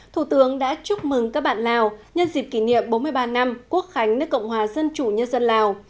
thủ tướng đã chúc mừng các bạn lào nhân dịp kỷ niệm bốn mươi ba năm quốc khánh nước cộng hòa dân chủ nhân dân lào